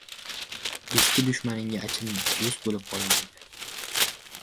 • Eski dushmaningga achinma: do‘st bo‘lib qolmaydi.